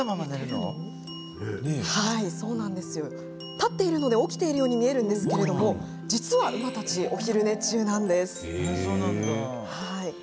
立っているので起きているように見えますが実は馬たちはお昼寝中なんです。